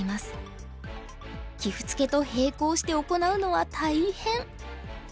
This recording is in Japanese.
棋譜付けと並行して行うのは大変！